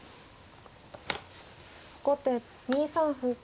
後手２三歩。